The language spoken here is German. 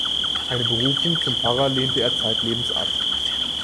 Eine Berufung zum Pfarrer lehnte er zeitlebens ab.